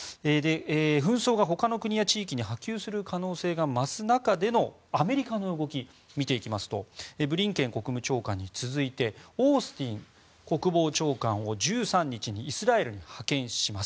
紛争がほかの国や地域に波及する可能性が増す中でのアメリカの動き、見ていきますとブリンケン国務長官に続いてオースティン国防長官を１３日にイスラエルに派遣します。